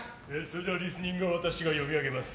リスニングを私が読み上げます。